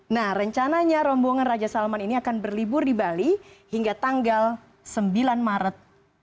nah rencananya rombongan raja salman ini akan berlibur di bali hingga tanggal sembilan maret dua ribu tujuh belas